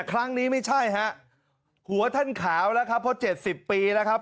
ครั้งนี้ไม่ใช่ฮะหัวท่านขาวแล้วครับเพราะ๗๐ปีแล้วครับ